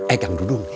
eh kang dudung